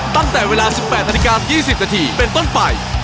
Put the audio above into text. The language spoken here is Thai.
ตั้งแต่เวลา๑๘นาฬิกา๒๐นาทีเป็นต้นไป